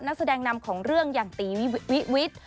นักแสดงนำของเรื่องอย่างตีวิวิทย์